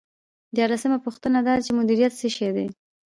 دیارلسمه پوښتنه دا ده چې مدیریت څه شی دی.